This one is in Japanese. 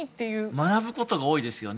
学ぶことが多いですね。